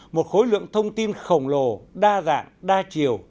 một khối lượng thông tin khổng lồ đa dạng đa chiều